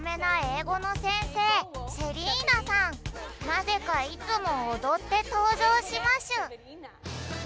なぜかいつもおどってとうじょうしましゅ